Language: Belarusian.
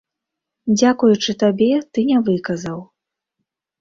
Дзякуючы табе, ты не выказаў.